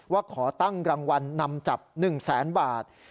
ว่าขอตั้งรางวัลนำจับ๑แสนบาท